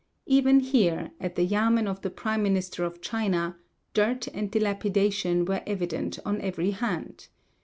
Even here, at the yamen of the prime minister of China, dirt and dilapidation were evident on every hand.